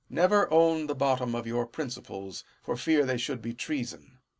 Never own the bottom of your principles, for fear they should be treason.